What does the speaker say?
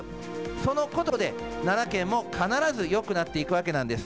そのことで、奈良県も必ずよくなっていくわけなんです。